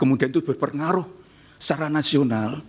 kemudian itu berpengaruh secara nasional